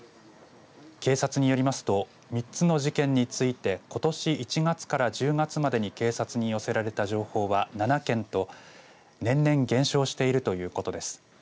警察によりますと３つの事件についてことし１月から１０月までに警察に寄せられた情報は７件と年々減少しているということです。